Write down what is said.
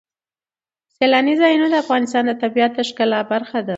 سیلاني ځایونه د افغانستان د طبیعت د ښکلا برخه ده.